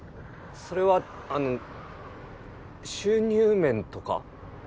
それは収入面とか？